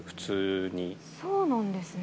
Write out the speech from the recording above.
そうなんですね。